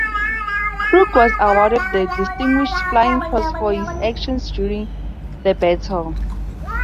Crook was awarded the Distinguished Flying Cross for his actions during the battle.